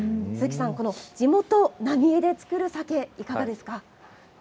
鈴木さん、地元浪江で造る酒いかがですか。